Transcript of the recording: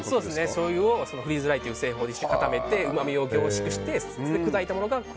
しょうゆをフリーズドライという製法で固めてうまみを凝縮して砕いたものが。